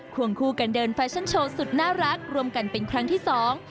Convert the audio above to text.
วงคู่กันเดินแฟชั่นโชว์สุดน่ารักรวมกันเป็นครั้งที่สอง